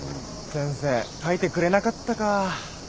先生書いてくれなかったか。